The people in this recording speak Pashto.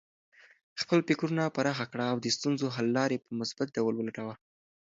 خپل فکرونه پراخه کړه او د ستونزو حل لارې په مثبت ډول ولټوه.